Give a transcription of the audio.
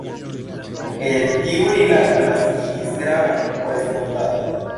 El tiu rilato naskiĝis grava korespondado.